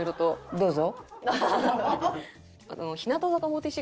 どうぞ。